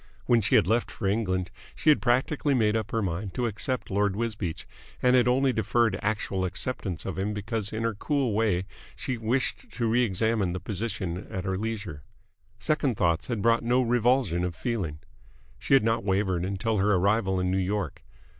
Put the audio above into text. When she had left for England, she had practically made up her mind to accept Lord Wisbeach, and had only deferred actual acceptance of him because in her cool way she wished to re examine the position at her leisure. Second thoughts had brought no revulsion of feeling. She had not wavered until her arrival in New York.